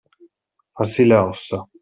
Farsi le ossa.